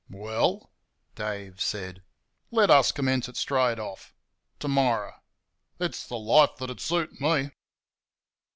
"Well," Dave said, "let us commence it straight off t'morror. It's the life that'd suit ME."